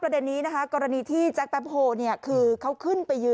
ดูคลิปเลยก็ได้